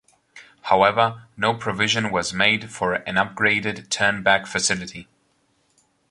However no provision was made for an upgraded turnback facility.